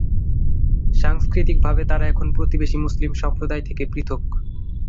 সাংস্কৃতিকভাবে তারা এখন প্রতিবেশী মুসলিম সম্প্রদায় থেকে পৃথক।